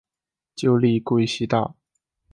旧隶贵西道。